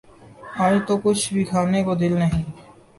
آج تو کچھ بھی کھانے کو دل نہیں